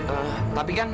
ehm tapi kan